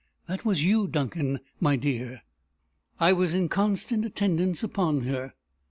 That was you, Duncan, my dear. "I was in constant attendance upon her.